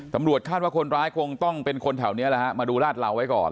ตำรวจคาดว่าคนร้ายคงต้องเป็นคนแถวนี้แหละฮะมาดูลาดเหลาไว้ก่อน